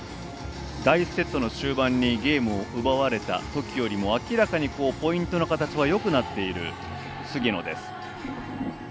第１セットの終盤にゲームを奪われたときよりも明らかにポイントの形はよくなっている菅野です。